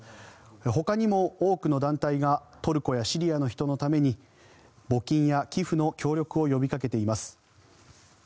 ほかにも多くの団体がトルコやシリアの人のために募金や寄付の協力を呼びかけています。